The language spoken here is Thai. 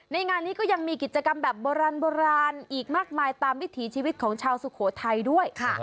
งานนี้ก็ยังมีกิจกรรมแบบโบราณอีกมากมายตามวิถีชีวิตของชาวสุโขทัยด้วย